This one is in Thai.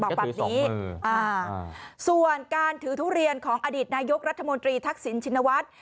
บอกแบบนี้ส่วนการถือทุเรียนของอดีตนายกรัฐมนตรีทักษิณชินวัฒน์